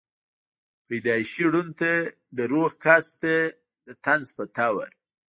پېدائشي ړوند ته دَروغ کس ته دطنز پۀ طور